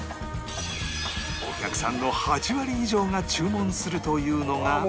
お客さんの８割以上が注文するというのが